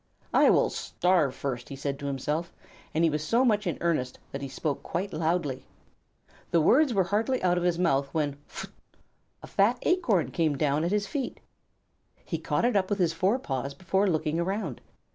"I will starve first!" he said to himself, and he was so much in earnest that he spoke quite loudly. The words were hardly out of his mouth when "Pft!" a fat acorn came down at his feet. He caught it up with his forepaws before looking around.